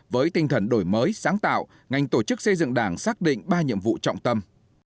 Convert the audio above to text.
với tinh thần đổi mới sáng tạo ngành tổ chức xây dựng đảng xác định ba nhiệm vụ trọng tâm